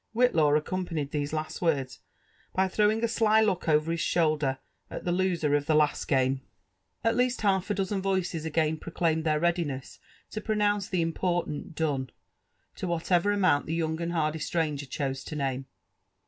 '' Whitlaw accompanied these lasL words by throwingasly look over his shoulder at the loser of the last game. lU LIFB AND ADVi»>STURES OF At lea&t half a dozen voices again proclaimed their readioeBa to pi^ iioiir)ce the 'importafit *'done!" to whatever amount the youfig and hardy stranger chose to name.